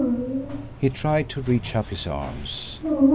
He tried to reach up his arms.